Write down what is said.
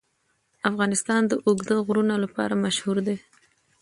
افغانستان د اوږده غرونه لپاره مشهور دی.